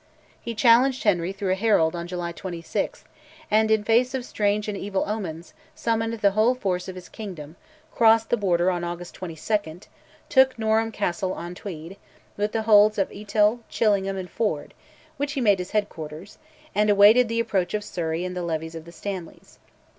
He challenged Henry through a herald on July 26th, and, in face of strange and evil omens, summoned the whole force of his kingdom, crossed the Border on August 22nd, took Norham Castle on Tweed, with the holds of Eital, Chillingham, and Ford, which he made his headquarters, and awaited the approach of Surrey and the levies of the Stanleys.